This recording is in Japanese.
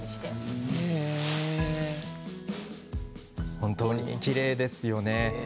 本当にきれいですよね。